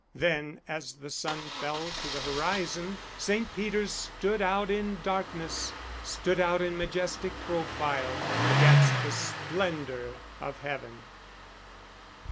Then, as the sun fell to the horizon, St. Peter's stood out in darkness, stood out in majestic profile against the splendour of heaven.